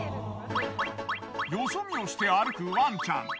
よそ見をして歩くワンちゃん。